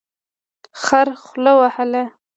خر خوله وهله.